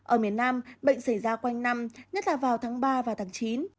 ở miền nam bệnh xảy ra quanh năm nhất là vào tháng ba và tháng chín